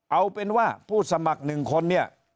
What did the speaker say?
เอาเป็นว่าผู้สมัคร๑คนเนี่ย